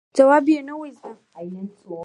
ځواب یې نه و زده.